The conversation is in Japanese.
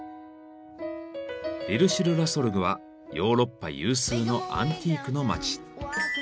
リル・シュル・ラ・ソルグはヨーロッパ有数のアンティークの街。